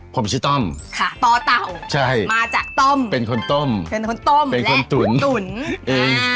ผมชื่อต้อมค่ะตเต่ามาจากต้มเป็นคนต้มเป็นคนตุ๋นเอง